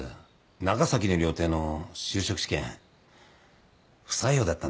長崎の料亭の就職試験不採用だったんだよ。